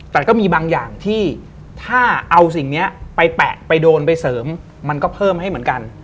แต่ก็มีบางอย่างที่ถ้าเอาสิ่งนี้ไปแปะไปโดนไปเสริมมันก็เพิ่มให้เหมือนกัน